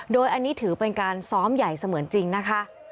โดยอันนี้ถือเป็นการซ้อมใหญ่เสมือนจริงนะคะ